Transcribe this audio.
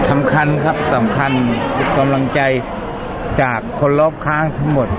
สำคัญครับสำคัญกำลังใจจากคนรอบข้างทั้งหมด